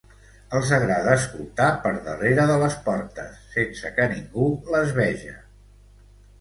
Els agrada escoltar per darrere de les portes, sense que ningú les veja...